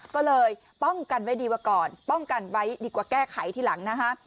ก็เลยป้องกันไว้ดีกว่าก่อนป้องกันไว้ดีกว่าแก้ไขทีหลังนะฮะ